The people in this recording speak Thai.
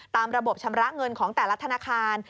ตามระบบชำระเงินของแต่ละธนาคาร